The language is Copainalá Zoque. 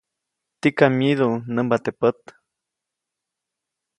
Tikam myidu, nämba teʼ pät.